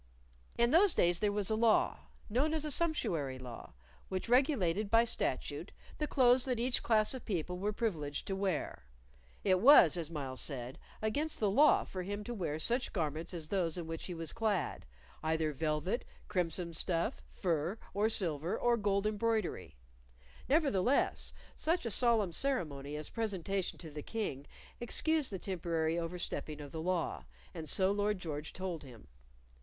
In those days there was a law, known as a sumptuary law, which regulated by statute the clothes that each class of people were privileged to wear. It was, as Myles said, against the law for him to wear such garments as those in which he was clad either velvet, crimson stuff, fur or silver or gold embroidery nevertheless such a solemn ceremony as presentation to the King excused the temporary overstepping of the law, and so Lord George told him.